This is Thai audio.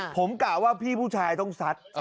ผมกะว่าพี่ผู้ชายต้องซัด